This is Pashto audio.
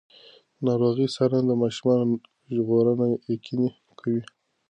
د ناروغۍ څارنه د ماشومانو ژغورنه یقیني کوي.